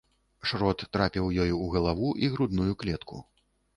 Шрот трапіў ёй у галаву і грудную клетку.